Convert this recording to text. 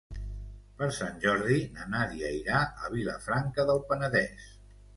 Per Sant Jordi na Nàdia irà a Vilafranca del Penedès.